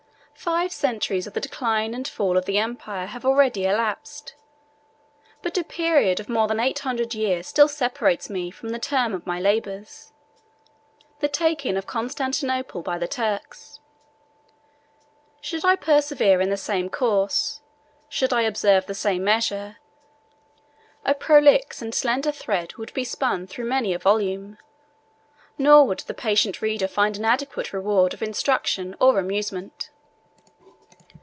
Five centuries of the decline and fall of the empire have already elapsed; but a period of more than eight hundred years still separates me from the term of my labors, the taking of Constantinople by the Turks. Should I persevere in the same course, should I observe the same measure, a prolix and slender thread would be spun through many a volume, nor would the patient reader find an adequate reward of instruction or amusement.